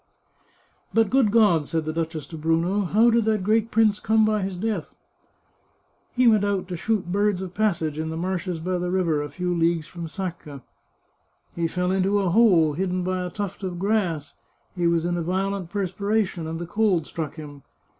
" But good God," said the duchess to Bruno, " how did that great prince come by his death ?"" He went out to shoot birds of passage in the marshes by the river, a few leagues from Sacca. He fell into a hole, hidden by a tuft of grass ; he was in a violent perspiration, and the cold struck him.